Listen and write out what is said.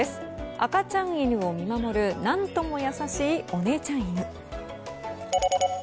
赤ちゃん犬を見守る何とも優しいお姉ちゃん犬。